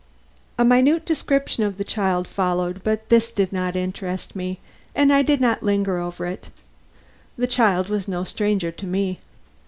A minute description of the child followed, but this did not interest me, and I did not linger over it. The child was no stranger to me.